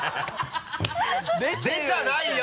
出ちゃないよ！